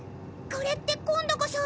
これって今度こそ。